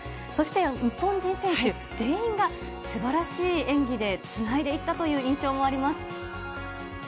そして、日本人選手全員が、すばらしい演技で、つないでいったという印象もあります。